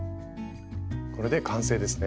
これで完成ですね。